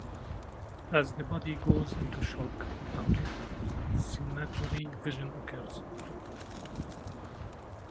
As the body goes into shock, a hallucinatory vision occurs.